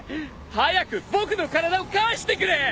早く僕の体を返してくれ！